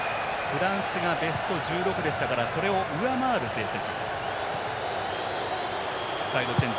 フランスがベスト１６だったのでそれを上回る成績。